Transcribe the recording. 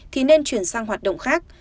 thì nên chuyển sang hoạt động khác